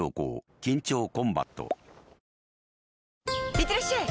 いってらっしゃい！